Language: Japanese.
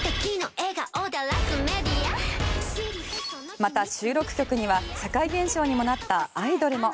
また、収録曲には社会現象にもなった「アイドル」も。